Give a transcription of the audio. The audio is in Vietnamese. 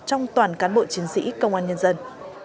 trong toàn cán bộ chiến sĩ công an nhân dân